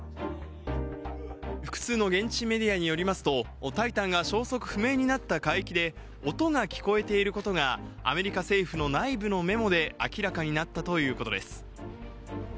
複数の現地メディアによりますと、タイタンが消息不明になった海域で、音が聞こえていることが、アメリカ政府の内部のメモで明らかになったということです。